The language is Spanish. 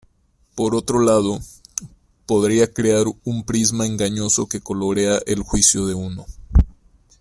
Por otro lado, podría crear un prisma engañoso que colorea el juicio de uno.